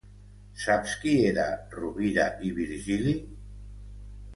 Saps qui era Rovira i Virgili?